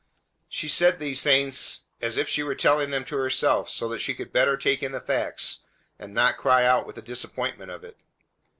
She said these things as if she were telling them to herself so that she could better take in the facts and not cry out with the disappointment of it.